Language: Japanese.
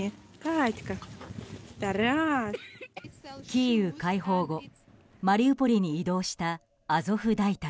キーウ解放後マリウポリに移動したアゾフ大隊。